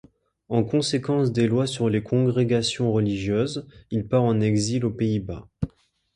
En conséquence des lois sur les congrégations religieuses, il part en exil aux Pays-Bas.